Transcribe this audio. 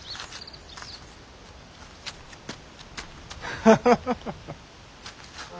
ハハハハッ。